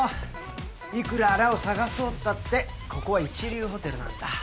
いくらあらを探そうたってここは一流ホテルなんだ。